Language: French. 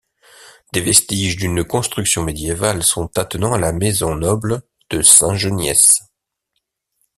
Des vestiges d'une construction médiévale sont attenants à la maison noble de Saint-Geniès.